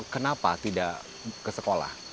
kenapa tidak ke sekolah